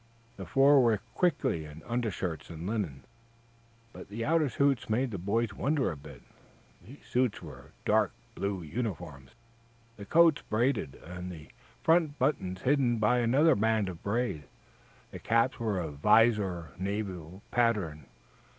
The four were quickly in undershirts and linen. But the outer suits made the boys wonder a bit. These suits were dark blue uniforms, the coats braided, and the front buttons hidden by another band of braid. The caps were of visored naval pattern.